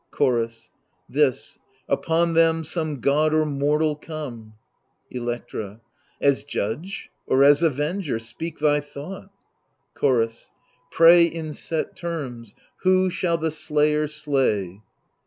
Chorus This ; Upon them some god or tnortal come Electra As judge or as avenger ? speak thy thought Chorus Pray in set terms, Who shall the slayer slay.